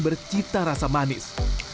bercita rasa manis